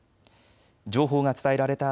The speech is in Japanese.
情報が伝えられた